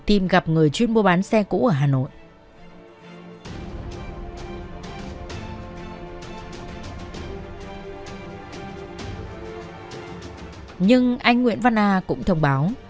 giúp người chuyên mua bán xe cũ ở hà nội ừ ừ ừ ừ ừ ừ nhưng anh nguyễn văn a cũng thông báo